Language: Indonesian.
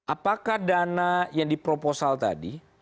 apakah dana yang di proposal tadi